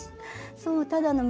そうただの水。